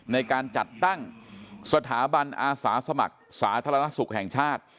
ในการจัดตั้งสถาบันอาสาสมัครสาธารณสุขแห่งชาติ